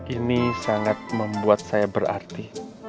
ini sangat membuat saya berarti